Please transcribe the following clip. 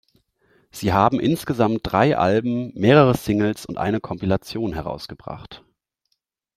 Sie haben insgesamt drei Alben, mehrere Singles und eine Kompilation herausgebracht.